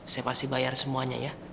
saya pasti bayar semuanya ya